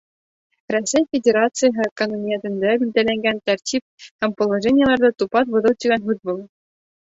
Рәсәй Федерацияһы ҡануниәтендә билдәләнгән тәртип һәм положениеларҙы тупаҫ боҙоу тигән һүҙ был.